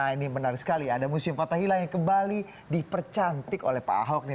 ini menarik sekali ada musim patah hilang yang kembali dipercantik oleh pak ahok nih